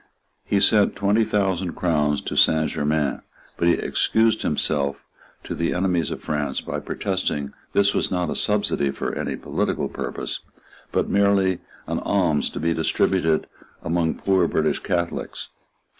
He sent twenty thousand crowns to Saint Germains; but he excused himself to the enemies of France by protesting that this was not a subsidy for any political purpose, but merely an alms to be distributed among poor British Catholics.